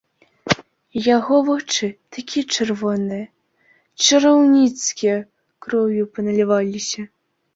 У яго вочы такія чырвоныя, чараўніцкія, кроўю паналіваліся.